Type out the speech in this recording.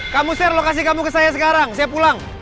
kamu share lokasi kamu ke saya sekarang saya pulang